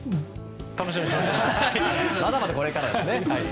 まだまだこれからですね。